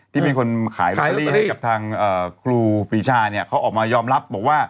ที่เป็นคนขายลักษณีย์ให้กับทางครูปีชาเขาออกมายอมรับบอกว่า